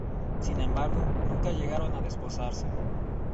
Sin embargo, nunca llegaron a desposarse.